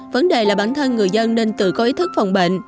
vấn đề là bản thân người dân nên tự có ý thức phòng bệnh